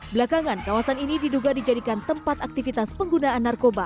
belakangan kawasan ini diduga dijadikan tempat aktivitas penggunaan narkoba